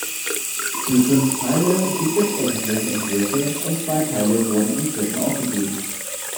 Für fünf Teile gibt es öffentliche Entwürfe und zwei Teile wurden inzwischen aufgegeben.